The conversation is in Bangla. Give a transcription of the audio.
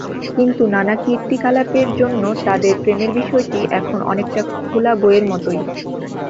কিন্তু নানা কীর্তি-কলাপের জন্য তাঁদের প্রেমের বিষয়টি এখন অনেকটা খোলা বইয়ের মতোই।